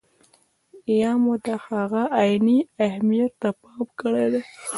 یا مو د هغه عیني اهمیت ته پام کړی دی.